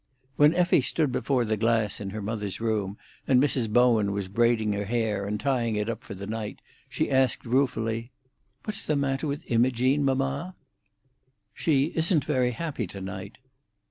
When Effie stood before the glass in her mother's room, and Mrs. Bowen was braiding her hair and tying it up for the night, she asked ruefully, "What's the matter with Imogene, mamma?" "She isn't very happy to night."